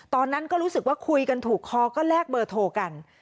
ตอนนั้นก็รู้สึกว่าคุยกันถูกคอก็แลกเบอร์โทรกัน